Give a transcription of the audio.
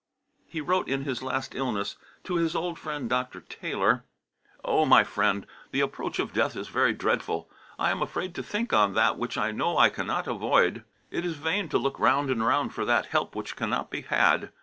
He wrote, in his last illness, to his old friend Dr. Taylor: "Oh! my friend, the approach of death is very dreadful. I am afraid to think on that which I know I cannot avoid. It is vain to look round and round for that help which cannot be had.